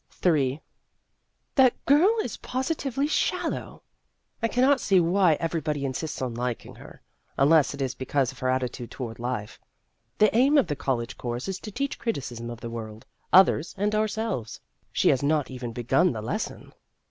Ill That girl is positively shallow. I can not see why everybody insists on liking her, unless it is because of her attitude toward life. (The aim of the college course is to teach criticism of the world, others, and ourselves ; she has not even begun the lesson.)